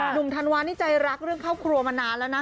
หนุ่มธันวาลนี่ใจรักเรื่องเข้าครัวมานานแล้วนะ